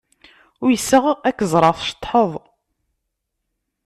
Uyseɣ ad k-ẓreɣ tceṭṭḥeḍ.